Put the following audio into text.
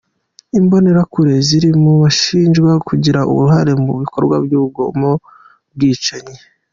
Imbonerakure ziri mu bashinjwe kugira uruhare mu bikorwa by’urugomo n’ubwicanyi.